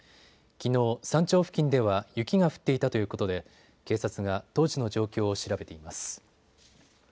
きのう山頂付近では雪が降っていたということで警察が当時の状況を調べています。